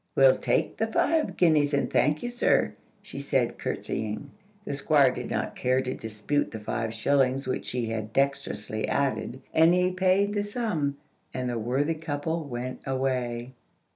"We'll take the five guineas, and thank you, sir," she said, courtesying. The Squire did not care to dispute the five shillings which she had dexterously added, and he paid the sum, and the worthy couple went away.